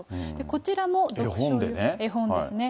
こちらも読書用の絵本ですね。